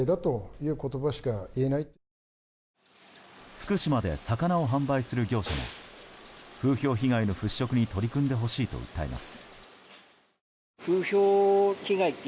福島で魚を販売する業者も風評被害の払拭に取り組んでほしいと訴えます。